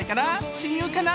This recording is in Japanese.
親友かな？